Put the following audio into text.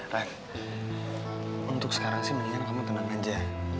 ref untuk sekarang sih mendingan kamu tenang aja